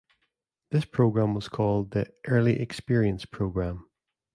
This program was called the "Early Experience Program".